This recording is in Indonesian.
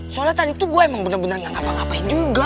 soalnya tadi tuh gue emang bener bener gak ngapa ngapain juga